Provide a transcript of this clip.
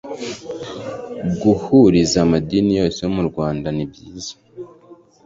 Guhuriza amadini yose yo murwanda nibyiza